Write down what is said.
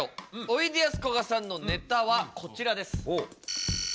おいでやすこがさんのネタはこちらです。